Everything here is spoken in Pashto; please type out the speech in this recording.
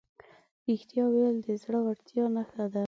رښتیا ویل د زړهورتیا نښه ده.